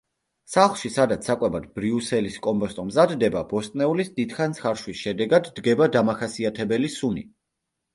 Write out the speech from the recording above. სახლში სადაც საკვებად ბრიუსელის კომბოსტო მზადდება, ბოსტნეულის დიდხანს ხარშვის შედეგად დგება დამახასიათებელი სუნი.